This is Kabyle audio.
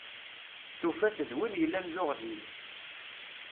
Tufa-t d win yellan d uɣdim.